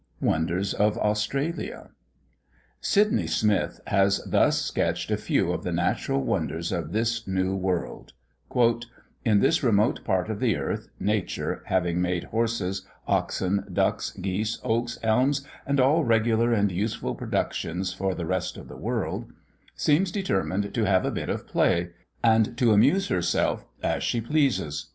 WONDERS OF AUSTRALIA. Sydney Smith has thus sketched a few of the natural wonders of this new world: "In this remote part of the earth, Nature (having made horses, oxen, ducks, geese, oaks, elms, and all regular and useful productions, for the rest of the world) seems determined to have a bit of play, and to amuse herself as she pleases.